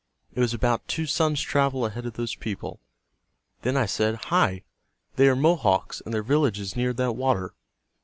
It was about two suns' travel ahead of those people. Then I said, 'Hi, they are Mohawks, and their village is near that water.